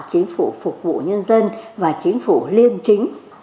chính phủ phục vụ nhân dân và chính phủ liêm chính